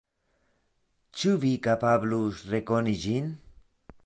Ĉu Vi kapablus rekoni ĝin?